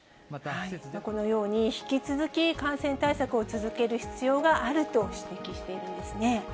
このように、引き続き感染対策を続ける必要があると指摘しているんですね。